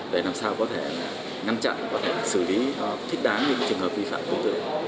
để làm sao có thể ngăn chặn có thể xử lý thích đáng những trường hợp vi phạm tương tự